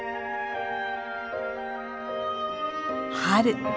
春。